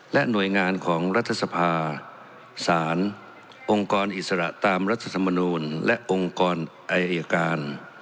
และหน่วยงานของรัฐสภาสารองค์กรอิสระตามรัฐธรรมนูลและองค์กรอัยการ